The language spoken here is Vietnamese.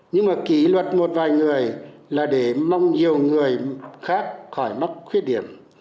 nhưng mà kỷ luật một vài người là để mong nhiều người khác khỏi mắc khuyết điểm